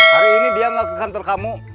hari ini dia nggak ke kantor kamu